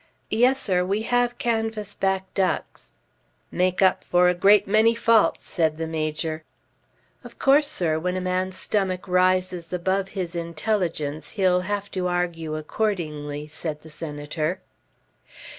"Yes, sir, we have canvas back ducks." "Make up for a great many faults," said the Major. "Of course, sir, when a man's stomach rises above his intelligence he'll have to argue accordingly," said the Senator.